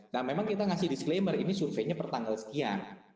nah memang kita ngasih disclaimer ini surveinya pertanggal sekian